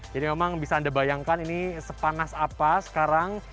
jadi memang bisa anda bayangkan ini sepanas apa sekarang